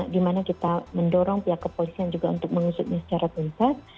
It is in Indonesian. dimana kita mendorong pihak kepolisian juga untuk mengusutnya secara tuntas